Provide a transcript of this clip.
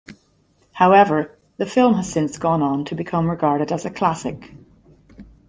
However, the film has since gone on to become regarded as a classic.